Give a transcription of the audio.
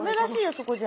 そこじゃ。